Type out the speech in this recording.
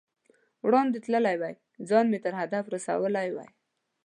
وړاندې تللی وای، ځان مې تر هدف رسولی وای.